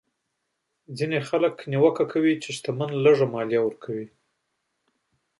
ځینې خلک نیوکه کوي چې شتمن لږه مالیه ورکوي.